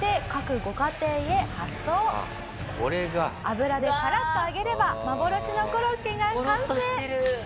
油でカラッと揚げれば幻のコロッケが完成！